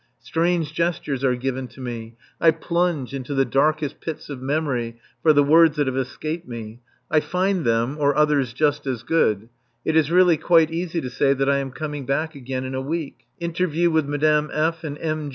Strange gestures are given to me; I plunge into the darkest pits of memory for the words that have escaped me; I find them (or others just as good); it is really quite easy to say that I am coming back again in a week. Interview with Madame F. and M.